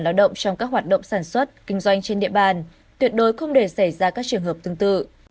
lao động trong các hoạt động sản xuất kinh doanh trên địa bàn tuyệt đối không để xảy ra các trường hợp tương tự